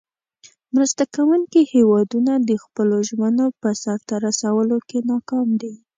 مرسته کوونکې هیوادونه د خپلو ژمنو په سر ته رسولو کې ناکام دي.